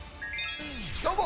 「どうも！